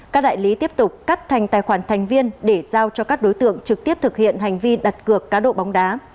các đại lý tiếp tục cắt thành tài khoản thành viên để giao cho các đối tượng trực tiếp thực hiện hành vi đặt cược cá độ bóng đá